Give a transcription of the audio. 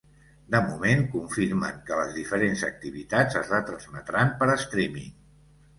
De moment confirmen que les diferents activitats es retransmetran per streaming.